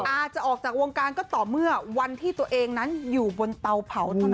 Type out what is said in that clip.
อาจจะออกจากวงการก็ต่อเมื่อวันที่ตัวเองนั้นอยู่บนเตาเผาเท่านั้น